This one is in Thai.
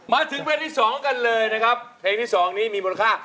มาถึงเพลงที่๒กันเลยนะครับเพลงที่๒นี้มีมูลค่า